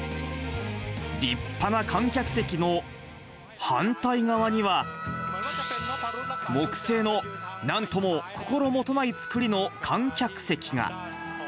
立派な観客席の反対側には、木製の、なんとも心もとない作りの観客席が。